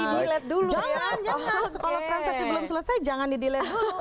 jangan di delete dulu ya jangan jangan kalau transaksi belum selesai jangan di delete dulu